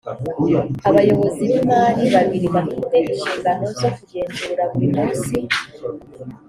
abayobozi b imari babiri bafite inshingano zo kugenzura buri munsi